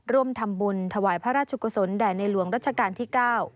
ร่วมทำบุญถวายพระราชกุศลแด่ในหลวงรัชกาลที่๙